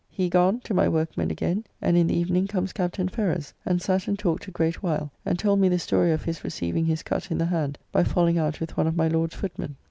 He gone, to my workmen again, and in the evening comes Captain Ferrers, and sat and talked a great while, and told me the story of his receiving his cut in the hand by falling out with one of my Lord's footmen.